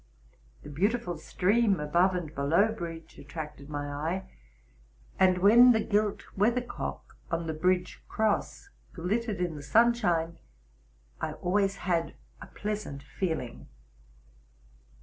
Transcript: The beautiful stream above and below bridge attracted my eye ; and, when the gilt weathercock on the bridge cross glittered in the sunshine, I always had a pleasant feeling.